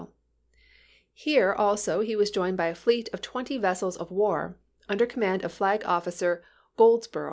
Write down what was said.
Golds Here also he was joined by a fleet of twenty vessels 'ropo?; of war, under command of Flag officer Goldsbor "^1862?